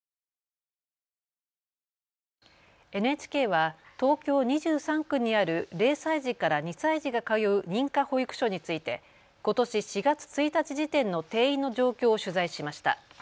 ＮＨＫは東京２３区にある０歳児から２歳児が通う認可保育所についてことし４月１日時点の定員の状況を取材しました。